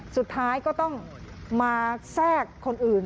สุดท้ายก็ต้องมาแทรกคนอื่น